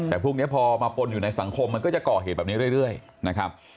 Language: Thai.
แต่พวกนี้พอมาปนอยู่ในสังคมมันก็จะก่อเหตุแบบนี้เรื่อยนะครับ